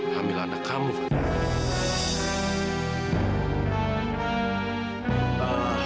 hamil anak kamu fadil